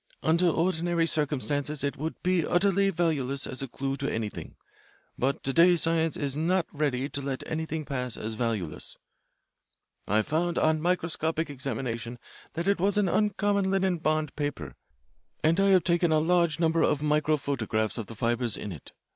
Under ordinary circumstances it would be utterly valueless as a clue to anything. But to day science is not ready to let anything pass as valueless. "I found on microscopic examination that it was an uncommon linen bond paper, and I have taken a large number of microphotographs of the fibres in it.